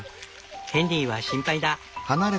ヘンリーは心配だ。